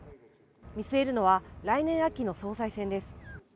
見据えるのは来年秋の総裁選です。